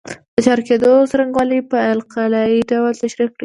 د چارج کېدو څرنګوالی په القايي ډول تشریح کړو.